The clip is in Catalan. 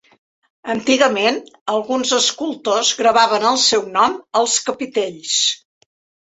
Antigament, alguns escultors gravaven el seu nom als capitells.